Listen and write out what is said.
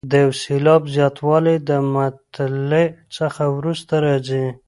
د یو سېلاب زیاتوالی د مطلع څخه وروسته راځي.